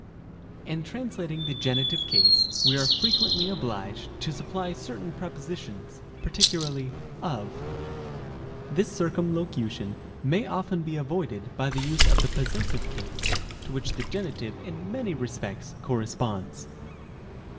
In translating the genitive case, we are frequently obliged to supply certain prepositions, particularly of. This circumlocution may often be avoided by the use of the possessive case, to which the genitive in many respects corresponds.